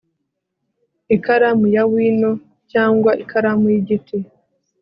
ikaramu ya wino, cyangwa ikaramu y'igiti